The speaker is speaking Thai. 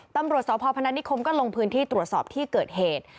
ตำรวจสพพนานิคมก็ลงพื้นที่ตรวจสอบที่เกิดเหตุ